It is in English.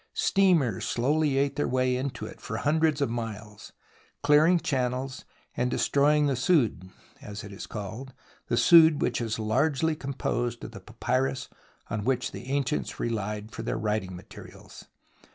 Steamers slowly ate their way into it for hundreds of miles, clearing channels and destrojdng the sudd, as it is called, the sudd which is largely composed of the papyrus on which the ancients rehed for their wilting materials